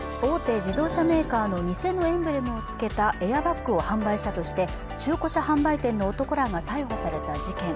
自動車メーカー偽のエンブレムをつけたエアバッグを販売したとして中古車販売店の男らが逮捕された事件。